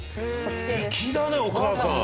粋だねお母さん。